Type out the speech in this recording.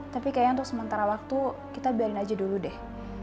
tapi kayaknya untuk sementara waktu kita biarin aja dulu deh